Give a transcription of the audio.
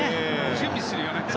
準備するよね。